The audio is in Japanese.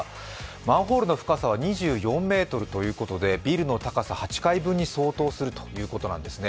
マンホールの深さは２４ｍということでビルの高さ８階分に相当するということなんですね。